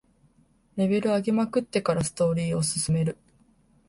レベル上げまくってからストーリーを進める